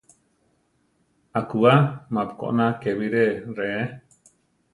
Akúba: mapu koná ké biré reé.